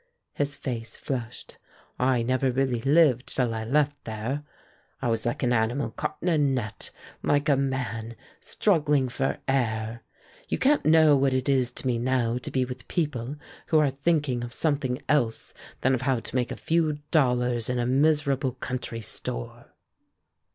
His face flushed. "I never really lived till I left there. I was like an animal caught in a net, like a man struggling for air. You can't know what it is to me now to be with people who are thinking of something else than of how to make a few dollars in a miserable country store."